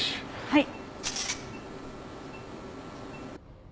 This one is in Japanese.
はい。